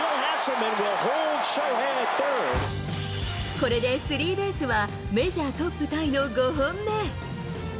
これでスリーベースは、メジャートップタイの５本目。